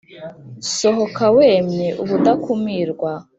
sohoka wemye ubudakumirwa